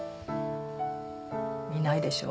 いないでしょ？